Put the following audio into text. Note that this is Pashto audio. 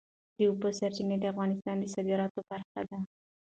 د اوبو سرچینې د افغانستان د صادراتو برخه ده.